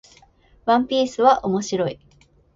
ワンピースは面白い